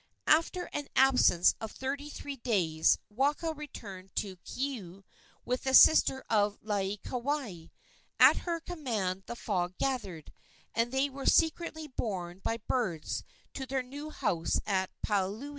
After an absence of thirty three days Waka returned to Keaau with the sister of Laieikawai. At her command the fog gathered, and they were secretly borne by birds to their new house at Paliuli.